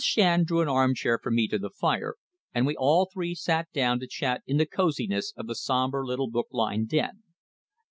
Shand drew an armchair for me to the fire, and we all three sat down to chat in the cosiness of the sombre little book lined den.